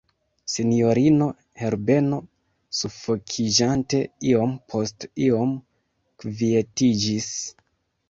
Sinjorino Herbeno sufokiĝante iom post iom kvietiĝis.